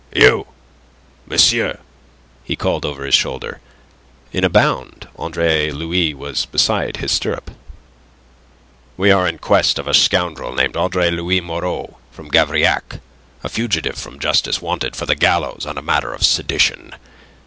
"You, monsieur!" he called over his shoulder. In a bound Andre Louis was beside his stirrup. "We are in quest of a scoundrel named Andre Louis Moreau, from Gavrillac, a fugitive from justice wanted for the gallows on a matter of sedition.